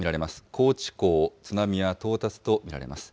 高知港、津波は到達と見られます。